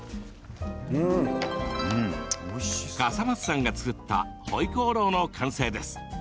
笠松さんが作ったホイコーローの完成です。